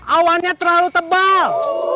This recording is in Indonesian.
awannya terlalu tebal